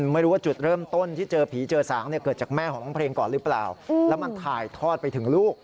ไม่รู้ว่าจุดเริ่มต้นที่เจอผีเจอสางเนี่ยเกิดจากแม่ของน้องเพลงก่อนหรือเปล่าแล้วมันถ่ายทอดไปถึงลูก